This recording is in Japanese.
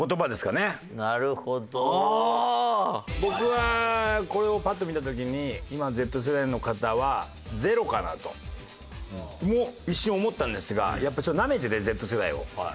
僕がこれをパッと見た時に今のＺ世代の方は０かなと。も一瞬思ったんですがやっぱりちょっとなめててＺ世代を。